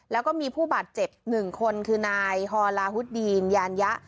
แล้วก็มีผู้บาดเจ็บ๑คนคือนายฮอลาฮุดดีนยานยะ